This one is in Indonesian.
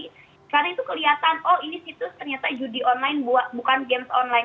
karena itu kelihatan oh ini situs ternyata judi online bukan games online